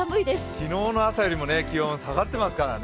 昨日の朝よりも気温下がってますからね。